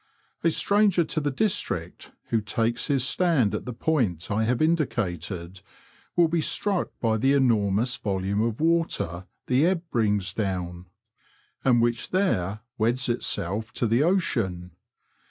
A stranger to the ' district who takes his stand at the point I have indicated I will be struck by the enormous volume of water the ebb brings down, and which there weds itself to the " ocean.